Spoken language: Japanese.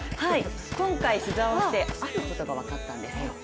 今回取材をして、あることが分かったんです。